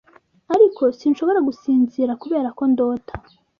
ariko sinshobora gusinzira 'kuberako ndota